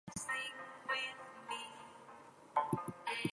The book was initially published by Picador in the United Kingdom.